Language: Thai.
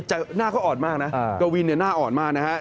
หน้าเขาอ่อนมากนะกวินเนี่ยหน้าอ่อนมากนะฮะ